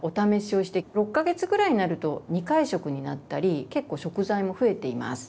６か月ぐらいになると２回食になったり結構食材も増えています。